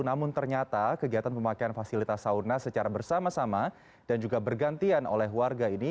namun ternyata kegiatan pemakaian fasilitas sauna secara bersama sama dan juga bergantian oleh warga ini